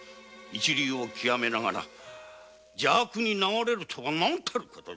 一流を究めながら邪悪に流れるとは何たる事。